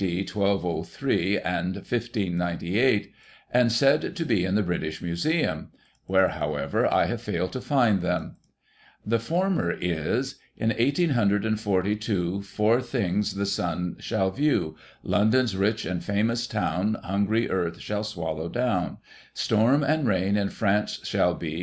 D. 1203 and 1598, said to be in the British Museum, where, however, I have failed to find them ; the former is :" In eighteen hundred and forty two Four things the sun shaU view ; London's rich and famous town Hungry earth shall swaUow down ; Storm and rain in France shaU be.